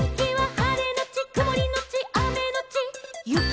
「はれのちくもりのちあめのちゆき」